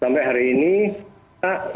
sampai hari ini pak untuk mencari penimbunan